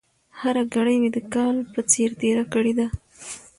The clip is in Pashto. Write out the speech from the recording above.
هره ګړۍ مې د کال په څېر تېره کړې ده.